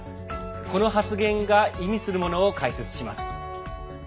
この発言が意味するものを解説します。